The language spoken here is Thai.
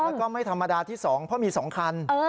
แล้วก็ไม่ธรรมดาที่๒เพราะมี๒คัน